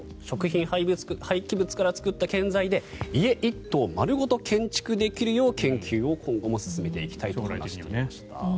食品廃棄物から作った建材で家１棟丸ごと建築できるよう研究を今後も進めていきたいと話していました。